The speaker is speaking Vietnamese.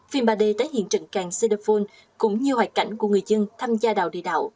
phim ba d tái hiện trận càng xê đa phôn cũng như hoạt cảnh của người dân tham gia đào đi đạo